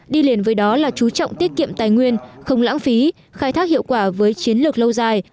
đi liền với đó là chú trọng tiết kiệm tài nguyên không lãng phí khai thác hiệu quả với chiến lược lâu dài